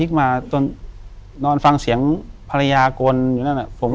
กุมารพายคือเหมือนกับว่าเขาจะมีอิทธิฤทธิ์ที่เยอะกว่ากุมารทองธรรมดา